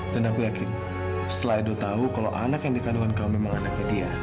dan aku yakin setelah edo tahu kalau anak yang dikandungan kamu memang anaknya dia